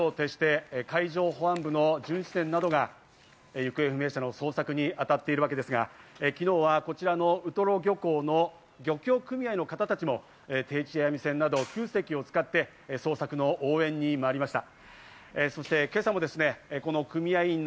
昨日から夜を徹して海上保安本部の巡視船などが行方不明者の捜索にあたっているわけですが、昨日はこちらのウトロ漁港の漁協組合の方たちの定置網船など９隻を使って捜索の応援にまいりました。